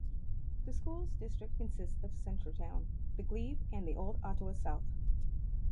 The school's district consist of Centretown, The Glebe and Old Ottawa South.